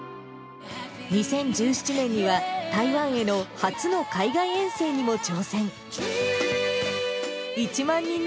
２０１７年には、台湾への初の海外遠征にも挑戦。